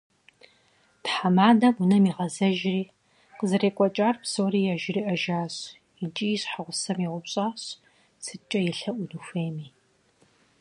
Тхьэмадэм унэм игъэзэжри, къызэрекӀуэкӀар псори яжриӀэжащ икӀи и щхьэгъусэм еупщӀащ, сыткӀэ елъэӀуну хуейми.